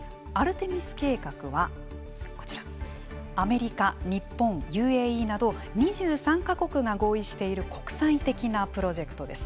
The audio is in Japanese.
アメリカ、日本、ＵＡＥなど２３か国が合意している国際的なプロジェクトです。